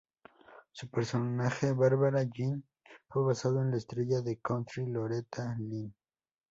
Su personaje, "Barbara Jean", fue basado en la estrella del country Loretta Lynn.